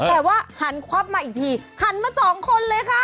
แต่ว่าหันควับมาอีกทีหันมาสองคนเลยค่ะ